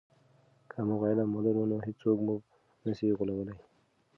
که موږ علم ولرو نو هیڅوک موږ نه سی غولولی.